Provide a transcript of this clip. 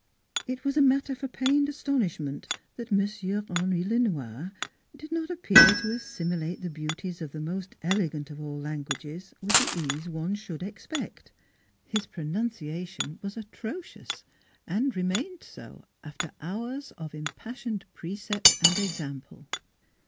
It was a matter for painted astonishment that M. Henri Le Noir did not appear to assimilate the beau ties of the most elegant of all languages with the ease one should expect. His pronunciation was atrocious, and remained so after hours of impassioned precept and example.